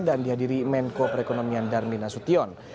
dan dihadiri menko perekonomian darni nasution